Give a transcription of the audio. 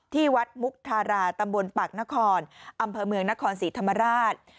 ที่วัดมุกธาราตำบลปากนครอำเภอเมืองนครศรีธรรมราช